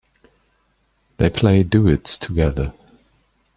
They play duets together.